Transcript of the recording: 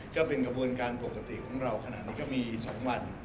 ก็เป็นกระบวนการปกติของเราขนาดนี้ก็มี๒วัน